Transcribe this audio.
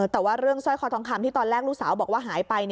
แต่ว่าเรื่องสร้อยคอทองคำที่ตอนแรกลูกสาวบอกว่าหายไป